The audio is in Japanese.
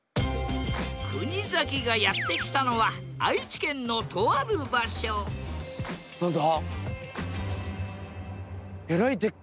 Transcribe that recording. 国崎がやって来たのは愛知県のとある場所何だ？